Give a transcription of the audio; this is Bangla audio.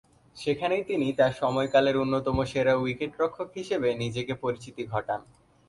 সেখানেই তিনি তার সময়কালের অন্যতম সেরা উইকেট-রক্ষক হিসেবে নিজেকে পরিচিতি ঘটান।